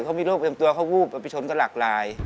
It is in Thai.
เขามีโรคเป็นตัวเขาบุบมาไปชนกับหลักลาย